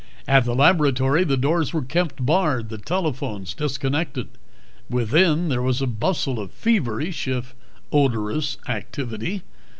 At the laboratory the doors were kept barred, the telephones disconnected. Within, there was a bustle of feverish if odorous activity.